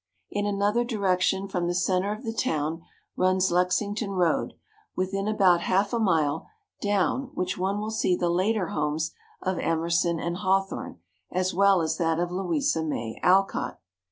In another direction from the center of the town runs Lexington Road, within about half a mile down which one will see the later homes of Emerson and Hawthorne as well as that of Louisa May Alcott.